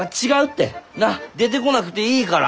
なあ出てこなくていいから。